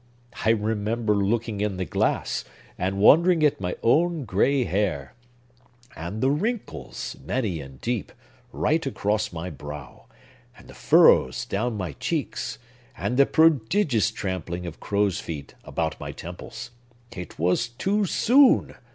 I remember looking in the glass, and wondering at my own gray hair, and the wrinkles, many and deep, right across my brow, and the furrows down my cheeks, and the prodigious trampling of crow's feet about my temples! It was too soon!